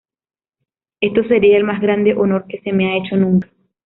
Esto sería el más grande honor que se me ha hecho nunca’’.